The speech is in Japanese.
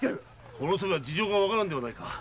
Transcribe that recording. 殺しては事情がわからんではないか。